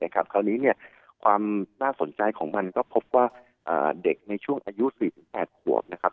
คราวนี้ความน่าสนใจของมันก็พบว่าเด็กในช่วงอายุ๔๘ขวบนะครับ